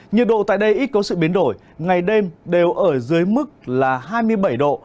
nhiệt độ tại đây ít có sự biến đổi ngày đêm đều ở dưới mức là hai mươi bảy độ